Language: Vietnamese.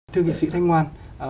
thưa nghệ sĩ thanh ngoan